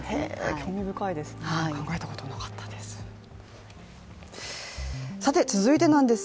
興味深いですね、考えたこともなかったです。